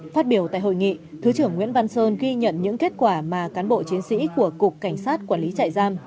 phát biểu tại hội nghị thứ trưởng nguyễn văn sơn ghi nhận những kết quả mà cán bộ chiến sĩ của cục cảnh sát quản lý trại giam